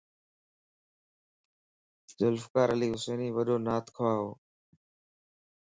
ذوالفقار علي حسيني وڏو نعت خوا ھئو